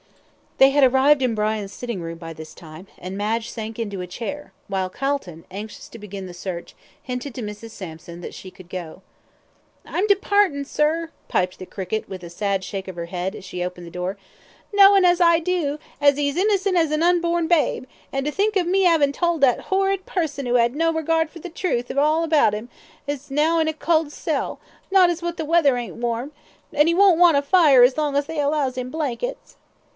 They had arrived in Brian's sitting room by this time, and Madge sank into a chair, while Calton, anxious to begin the search, hinted to Mrs. Sampson that she could go. "I'm departin', sir," piped the cricket, with a sad shake of her head, as she opened the door; "knowin', as I do, as 'e's as innocent as an unborn babe, an' to think of me 'avin' told that 'orrid pusson who 'ad no regard for the truth all about 'im as is now in a cold cell, not as what the weather ain't warm, an' 'e won't want a fire as long as they allows 'im blankets."